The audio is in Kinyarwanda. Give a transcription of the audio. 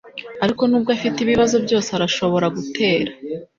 Ariko nubwo afite ibibazo byose arashobora gutera.